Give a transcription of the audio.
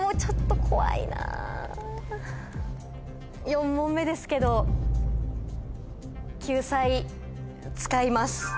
４問目ですけど救済使います。